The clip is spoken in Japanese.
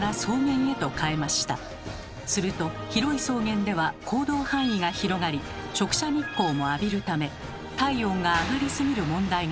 すると広い草原では行動範囲が広がり直射日光も浴びるため体温が上がりすぎる問題が発生しました。